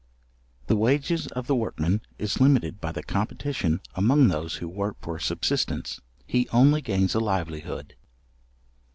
The wages of the workman is limited by the competition among those who work for a subsistence. He only gains a livelihood.